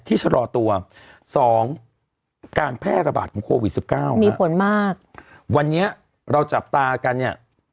ชะลอตัวสองการแพร่ระบาดของโควิดสิบเก้ามีผลมากวันนี้เราจับตากันเนี่ย